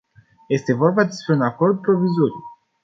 Este vorba despre un acord provizoriu.